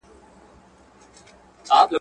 پر يارانو شنې پيالې ډكي له مُلو!